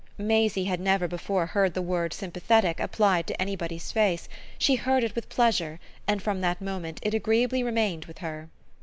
Maisie had never before heard the word "sympathetic" applied to anybody's face; she heard it with pleasure and from that moment it agreeably remained with her.